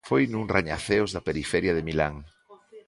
Foi nun rañaceos da periferia de Milán.